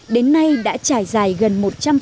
đến nay đã trải dài gần